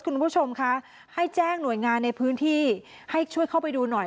คุณผู้ชมคะให้แจ้งหน่วยงานในพื้นที่ให้ช่วยเข้าไปดูหน่อย